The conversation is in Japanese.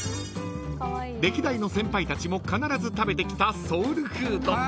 ［歴代の先輩たちも必ず食べてきたソウルフード］